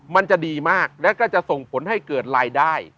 มันจะดีมากและก็จะส่งผลให้เกิดรายได้